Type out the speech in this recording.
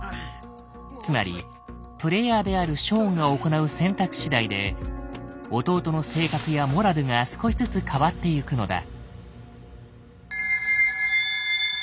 つまりプレイヤーであるショーンが行う選択しだいで弟の性格やモラルが少しずつ変わってゆくのだ。